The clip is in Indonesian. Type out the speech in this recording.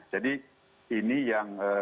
jadi ini yang